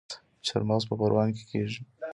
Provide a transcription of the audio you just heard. چارمغز په پروان کې کیږي